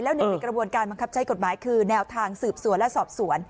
หนึ่งในกระบวนการบังคับใช้กฎหมายคือแนวทางสืบสวนและสอบสวน